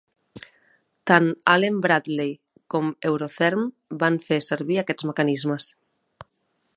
Tant Allen Bradley com Eurotherm van fer servir aquests mecanismes.